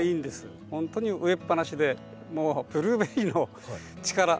本当に植えっぱなしでもうブルーベリーの力。